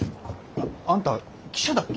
あんた記者だっけ？